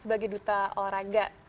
sebagai duta olahraga